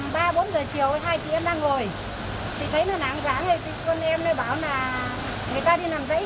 tầm ba bốn giờ chiều hai chị em đang ngồi thì thấy nó nặng rãn con em nó bảo là người ta đi làm giấy ghê